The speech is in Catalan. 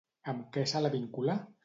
Amb què se la vincula?